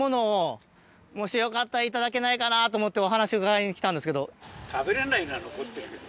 もしよかったら頂けないかなと思ってお話伺いに来たんですけど。